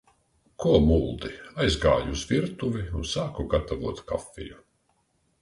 Ko muldi? Aizgāju uz virtuvi un sāku gatavot kafiju.